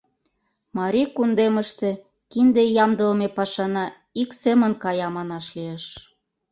Марий кундемыште кинде ямдылыме пашана ик семын кая, манаш лиеш.